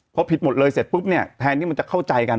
พอผิดหมดเลยเสร็จปุ๊บเนี่ยแทนที่มันจะเข้าใจกัน